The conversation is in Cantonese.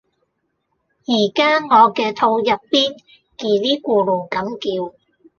而家我嘅肚入邊 𠼻 咧咕嚕咁叫